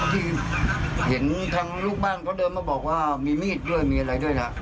ที่เห็นทางลูกบ้านเขาเดินมาบอกว่ามีมีดด้วยมีอะไรด้วยนะ